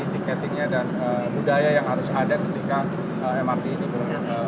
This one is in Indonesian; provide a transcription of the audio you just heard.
tiketingnya dan budaya yang harus ada ketika mrt ini berjalan